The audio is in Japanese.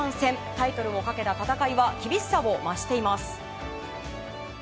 タイトルをかけた戦いは厳しさを増しています。